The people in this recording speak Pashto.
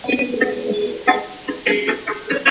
ولي هوډمن سړی د مستحق سړي په پرتله ژر بریالی کېږي؟